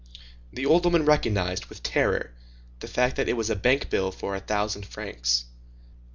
The old woman recognized, with terror, the fact that it was a bank bill for a thousand francs.